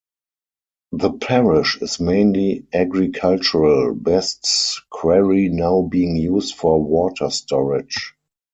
The parish is mainly agricultural, Best's quarry now being used for water storage.